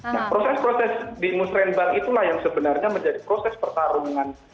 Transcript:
nah proses proses di musrembang itulah yang sebenarnya menjadi proses pertarungan